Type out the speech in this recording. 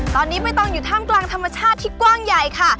ตอนนี้ใบตองอยู่ท่ามกลางธรรมชาติที่กว้างใหญ่ค่ะ